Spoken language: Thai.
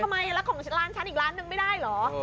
ทำไมแล้วของร้านฉันอีกล้านหนึ่งไม่ได้เหรอ